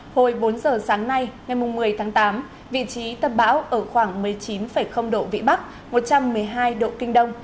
hồi bốn giờ sáng nay ngày một mươi tháng tám vị trí tâm bão ở khoảng một mươi chín độ vĩ bắc một trăm một mươi hai độ kinh đông